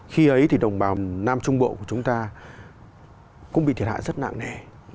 khi ấy thì đồng bào nam trung bộ của chúng ta cũng bị thiệt hại rất nặng nề